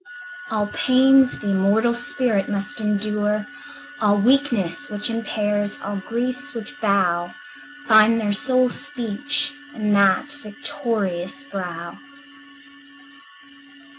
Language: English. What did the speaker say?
All pains the immortal spirit must endure, All weakness which impairs, all griefs which bow, Find their sole speech in that victorious brow.